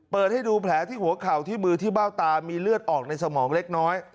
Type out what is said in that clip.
เปิดให้ดูแผลที่หัวเข่าที่มือที่เบ้าตามีเลือดออกในสมองเล็กน้อย